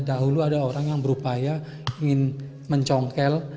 dahulu ada orang yang berupaya ingin mencongkel